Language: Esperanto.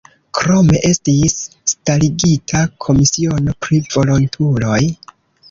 Krome estis starigita komisiono pri volontuloj.